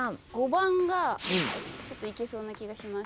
５番がいけそうな気がします。